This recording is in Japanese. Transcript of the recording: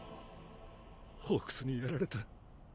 ホークスにやられた。